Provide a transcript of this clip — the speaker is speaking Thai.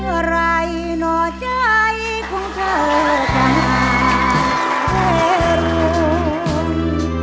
เพื่อไรหน่าใจของเธอกันอ่ะเดี๋ยวร่วม